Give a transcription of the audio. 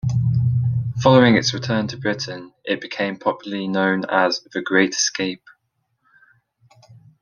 Following its return to Britain it became popularly known as the "Great Escape".